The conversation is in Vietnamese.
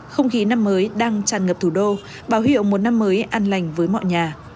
không khí năm mới đang tràn ngập thủ đô báo hiệu một năm mới an lành với mọi nhà